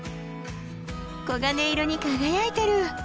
黄金色に輝いてる。